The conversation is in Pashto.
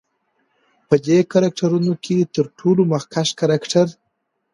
په دې کرکترونو کې تر ټولو مخکښ کرکتر